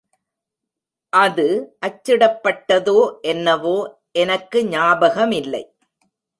அது அச்சிடப்பட்டதோ என்னவோ எனக்கு ஞாபகமில்லை.